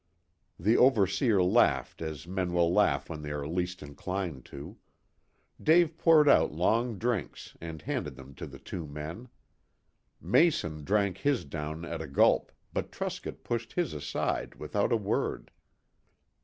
The overseer laughed as men will laugh when they are least inclined to. Dave poured out long drinks and handed them to the two men. Mason drank his down at a gulp, but Truscott pushed his aside without a word.